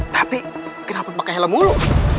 tapi kenapa pake helm mulu